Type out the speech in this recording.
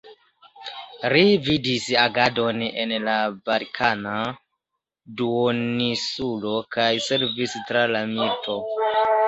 Li vidis agadon en la Balkana duoninsulo, kaj servis tra la milito.